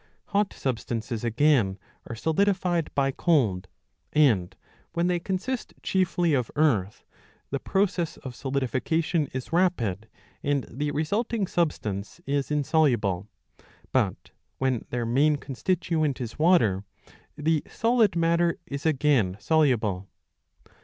Hot substances again are solidified by cold, and, when they consist chiefly of earth, the process of solidification is rapid, and the resulting substance is insoluble ; but, when their main con stituent is water, the solid matter is again soluble.